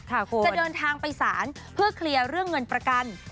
จะเดินทางไปศาลเพื่อเคลียร์เรื่องเงินประกัน